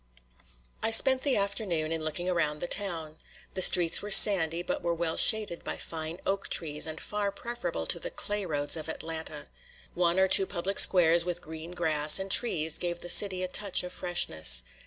I spent the afternoon in looking around the town. The streets were sandy, but were well shaded by fine oak trees and far preferable to the clay roads of Atlanta. One or two public squares with green grass and trees gave the city a touch of freshness.